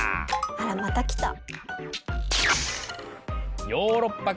あらまた来た。